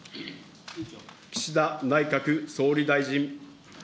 岸田内閣総理大臣。